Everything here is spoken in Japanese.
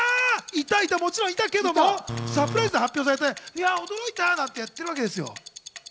もちろんいたけども、サプライズで発表されて驚いた！なんて、言ってるわけですよ。